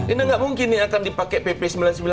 ini nggak mungkin ini akan dipakai pp sembilan puluh sembilan